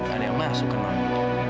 ada yang masuk ke nonton